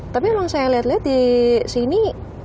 tapi kalau saya lihat di sini